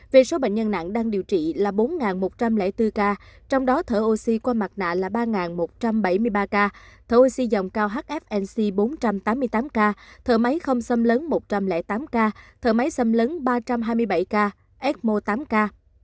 về số bệnh nhân nặng đang điều trị là bốn một trăm linh bốn ca trong đó thở oxy qua mặt nạ là ba một trăm bảy mươi ba ca thổi suy dòng cao hfnc bốn trăm tám mươi tám ca thở máy không xâm lấn một trăm linh tám ca thở máy xâm lấn ba trăm hai mươi bảy ca eo tám ca